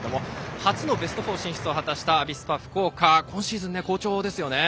初のベスト４進出を果たしたアビスパ福岡は今シーズン、好調ですよね。